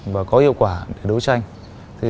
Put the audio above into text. và có hiệu quả để đấu tranh